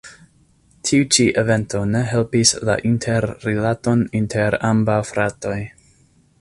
Tiu ĉi evento ne helpis la interrilaton inter ambaŭ fratoj.